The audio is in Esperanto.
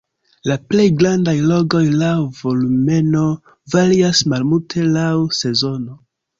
La plej grandaj lagoj laŭ volumeno varias malmulte laŭ sezono.